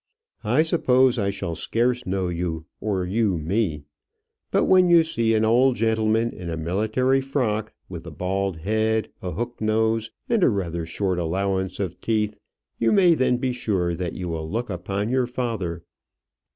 I suppose I shall scarce know you, or you me; but when you see an old gentleman in a military frock, with a bald head, a hook nose, and a rather short allowance of teeth, you may then be sure that you look upon your father.